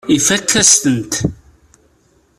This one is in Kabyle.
Ifakk-as-tent.